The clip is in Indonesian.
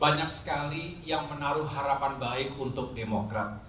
banyak sekali yang menaruh harapan baik untuk demokrat